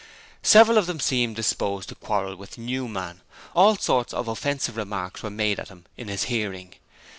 Several of them seemed disposed to quarrel with Newman. All sorts of offensive remarks were made at him in his hearing.